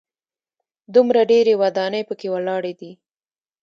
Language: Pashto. دومره ډېرې ودانۍ په کې ولاړې دي.